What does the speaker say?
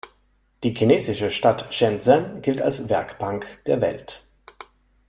Die chinesische Stadt Shenzhen gilt als „Werkbank der Welt“.